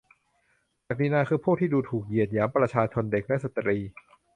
ศักดินาคือพวกที่ดูถูกเหยียดหยามประชาชน เด็กและสตรี ?